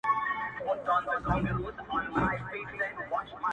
o چي تور نه مري، بور به هم نه مري.